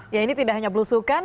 ya ini tidak hanya belusukan